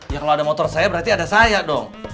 ya kalau ada motor saya berarti ada saya dong